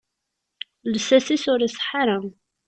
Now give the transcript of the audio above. Lsas-is ur iṣeḥḥa ara.